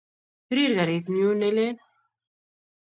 Pirir karit nyu ne lel